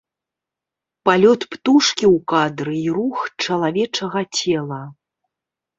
Палёт птушкі ў кадры і рух чалавечага цела.